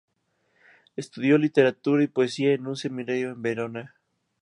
Estudió literatura y poesía en un seminario en Verona.